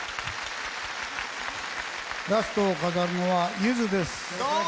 ラストを飾るのは、ゆずです。